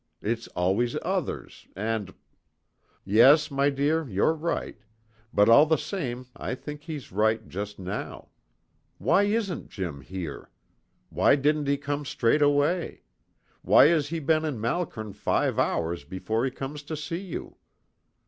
It's always others, and " "Yes, my dear, you're right. But all the same I think he's right just now. Why isn't Jim here? Why didn't he come straight away? Why has he been in Malkern five hours before he comes to see you?